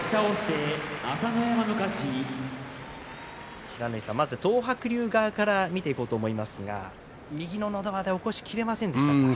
不知火さん、東白龍側から見ていこうと思いますが右ののど輪で起こしきれませんでしたね。